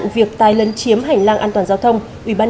và tôi mong đô xa vina